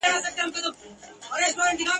په هفتو کي یې آرام نه وو لیدلی !.